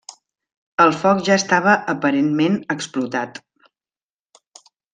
El foc ja estava aparentment explotat.